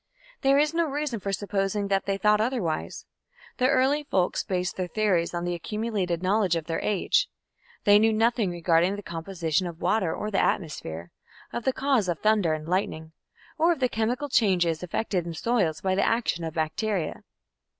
There is no reason for supposing that they thought otherwise. The early folks based their theories on the accumulated knowledge of their age. They knew nothing regarding the composition of water or the atmosphere, of the cause of thunder and lightning, or of the chemical changes effected in soils by the action of bacteria.